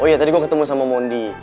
oh iya tadi gue ketemu sama mondi